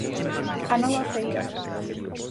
'A nova feira'.